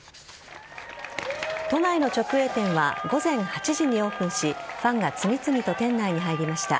都内の直営店は午前８時にオープンしファンが次々と店内に入りました。